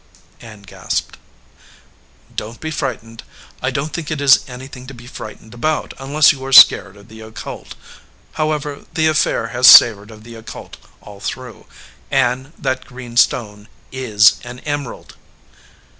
Ann gasped. "Don t be frightened. I don t think it is any thing to be frightened about unless you are scared of the occult. However, the affair has savored of the occult all through. Ann, that green stone is an emerald!"